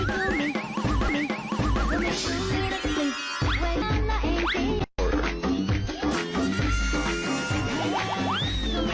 โปรดติดตามตอนต่อไป